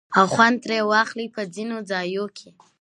او خوند ترې واخلي په ځينو ځايو کې